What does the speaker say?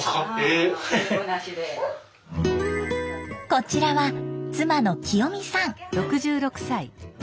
こちらは妻の清美さん。